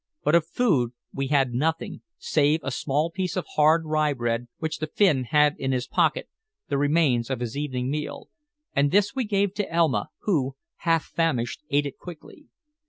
But of food we had nothing, save a small piece of hard rye bread which the Finn had in his pocket, the remains of his evening meal; and this we gave to Elma, who, half famished, ate it quickly.